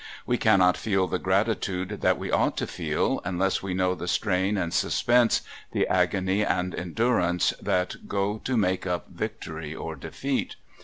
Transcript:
We cannot feel the gratitude that we ought to feel unless we know the strain and suspense, the agony and endurance, that go to make up victory or defeat.